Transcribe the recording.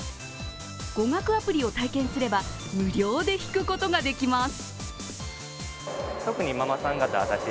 語学アプリを体験すれば、無料で引くことができます。